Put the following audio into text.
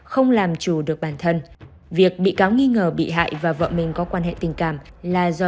không làm chủ được bản thân việc bị cáo nghi ngờ bị hại và vợ mình có quan hệ tình cảm là do